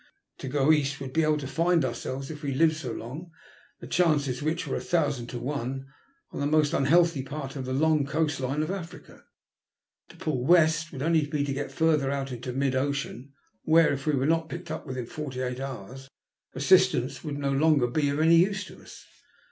To go east would be to find ourselveSy if we lived so long — the chances against which were a thousand to one—on the most unhealthy port of the long coast line of Africa. To pull west would only be to get further out into mid oceauy where, if we were not picked up within forty eight hours, assistance would no longer be of any use to us.